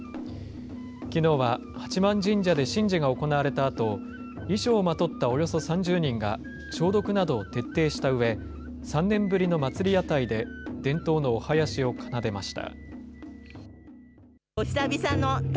きのうは八幡神社で神事が行われたあと、衣装をまとったおよそ３０人が、消毒などを徹底したうえ、３年ぶりの祭屋台で伝統のお囃子を奏でました。